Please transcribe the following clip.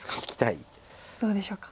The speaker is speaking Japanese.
どうでしょうか？